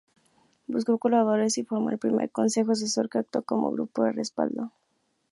Buscó colaboradores y formó el primer Consejo Asesor que actuó como grupo de respaldo.